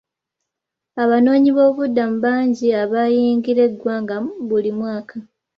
Abanoonyiboobubudamu bangi abayingira eggwanga buli mwaka.